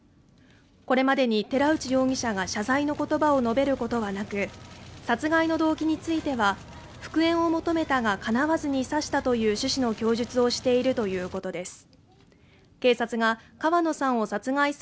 これまでに寺内容疑者が謝罪の言葉を述べることはなく殺害の動機については復縁を求めたが叶わずに刺したという趣旨の供述をしているということです